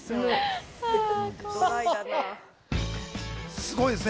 すごいですね。